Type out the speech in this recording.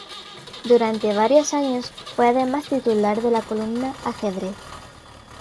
Durante varios años fue además titular de la columna "Ajedrez.